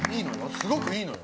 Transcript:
すごくいいのよ。